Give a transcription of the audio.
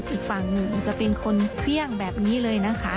อีกฝั่งหนึ่งจะเป็นคนเครื่องแบบนี้เลยนะคะ